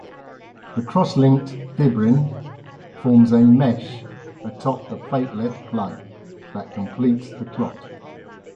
The cross-linked fibrin forms a mesh atop the platelet plug that completes the clot.